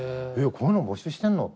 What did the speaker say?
こんなの募集してんの？